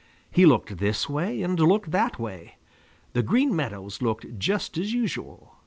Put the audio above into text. He looked this way and looked that way. The Green Meadows looked just as usual.